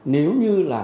nếu như là